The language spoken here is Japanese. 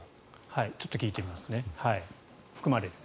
ちょっと聞いてみますね。